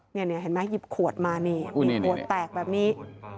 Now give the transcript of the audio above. นี่เห็นไหมหยิบขวดมานี่ขวดแตกแบบนี้